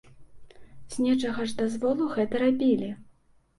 З нечага ж дазволу гэта рабілі!